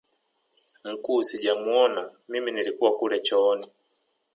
mkuu sijamuona mimi nilikuwa kule chooni